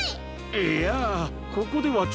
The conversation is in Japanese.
いやここではちょっと。